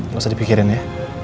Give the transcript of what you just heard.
gak usah dipikirin ya